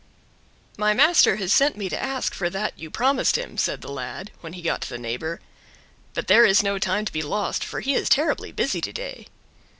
"My master has sent me to ask for that you promised him," said the lad, when he got to the neighbor, "but there is no time to be lost, for he is terribly busy to day."